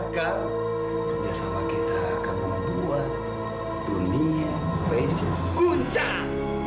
karena kerjasama kita akan membuat dunia fashion guncang